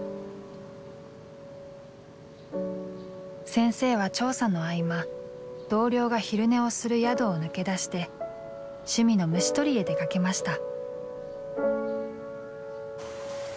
先生は調査の合間同僚が昼寝をする宿を抜け出して趣味の虫捕りへ出かけました。